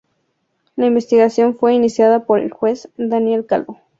La investigación fue iniciada por el juez Daniel Calvo.